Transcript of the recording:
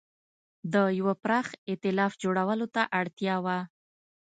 د یوه پراخ اېتلاف جوړولو ته اړتیا وه.